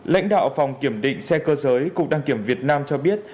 lãnh đạo phòng kiểm định xe cơ giới cục đăng kiểm việt nam cho biết